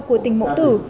của tình mẫu tử